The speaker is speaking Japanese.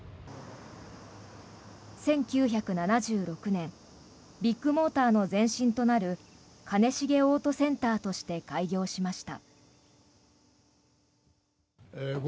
１９７６年ビッグモーターの前身となる兼重オートセンターとして開業しました。